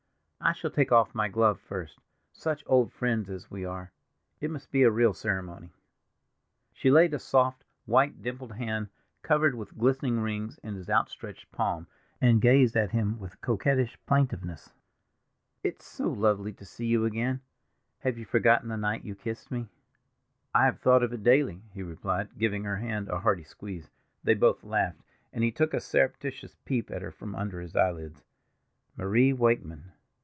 "I shall take off my glove first—such old friends as we are! It must be a real ceremony." She laid a soft, white, dimpled hand, covered with glistening rings, in his outstretched palm, and gazed at him with coquettish plaintiveness. "It's so lovely to see you again! Have you forgotten the night you kissed me?" "I have thought of it daily," he replied, giving her hand a hearty squeeze. They both laughed, and he took a surreptitious peep at her from under his eyelids. Marie Wakeman!